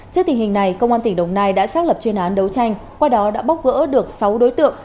trước tình hình này công an tỉnh đồng nai đã xác lập chuyên án đấu tranh qua đó đã bóc gỡ được sáu đối tượng